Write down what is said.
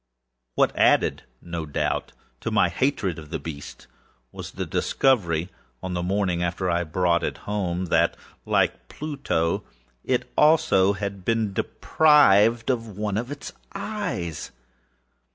What added, no doubt, to my hatred of the beast, was the discovery, on the morning after I brought it home, that, like Pluto, it also had been deprived of one of its eyes.